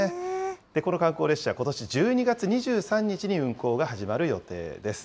この観光列車、ことし１２月２３日に運行が始まる予定です。